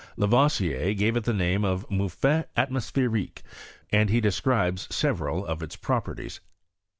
Ia " T gave it the name of mouffette almospheriquMy and he describes several of its properties.